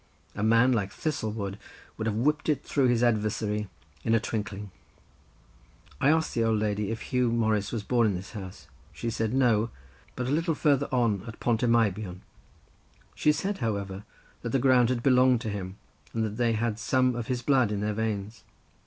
A man like Thistlewood would have whipped it through his adversary in a twinkling. I asked the old lady if Huw Morris was born in this house; she said no, but a little farther on at Pont y Meibion; she said, however, that the ground had belonged to him, and that they had some of his blood in their veins.